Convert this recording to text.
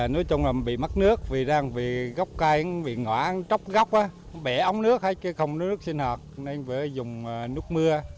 nói chung là bị mắc nước bị răng bị gốc cay bị ngỏ tróc gốc bẻ ống nước hay không nước sinh hoạt nên phải dùng nước mưa